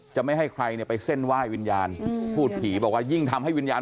ไม่ให้ใครเนี่ยไปเส้นไหว้วิญญาณพูดผีบอกว่ายิ่งทำให้วิญญาณ